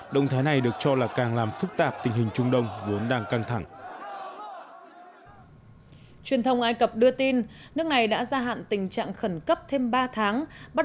động thái này được cho là càng làm phức tạp tình hình trung đông vốn đang căng thẳng